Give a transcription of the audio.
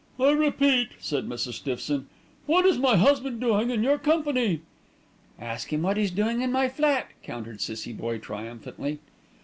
"I repeat," said Mrs. Stiffson, "what is my husband doing in your company?" "Ask him what he's doing in my flat," countered Cissie Boye triumphantly.